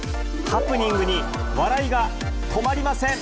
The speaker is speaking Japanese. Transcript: ハプニングに笑いが止まりません。